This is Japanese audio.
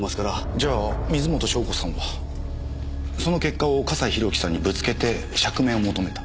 じゃあ水元湘子さんはその結果を笠井宏樹さんにぶつけて釈明を求めた。